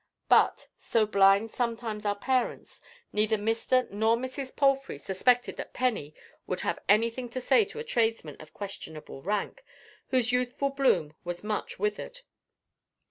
But—so blind sometimes are parents—neither Mr. nor Mrs. Palfrey suspected that Penny would have anything to say to a tradesman of questionable rank whose youthful bloom was much withered.